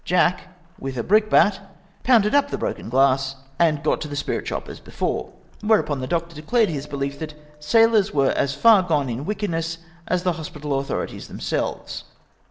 Jack, with a brick bat, pounded up the broken glass, and got to the VOL. L M 162 SEAMEX'S AVEKSIOX TO THE SEEVICE. spirit sliop as before. Wliereupon the doctor declared liis belief that " sailors were as far gone in wickedness as the hospital authorities themselves."